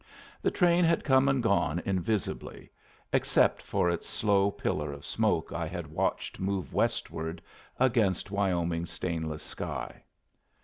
The train had come and gone invisibly, except for its slow pillar of smoke I had watched move westward against Wyoming's stainless sky.